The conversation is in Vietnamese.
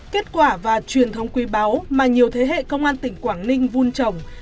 kết quả và truyền thống quý báu mà nhiều thế hệ công an tỉnh quảng ninh vun trồng